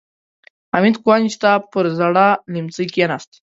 حميد کونج ته پر زاړه ليمڅي کېناست.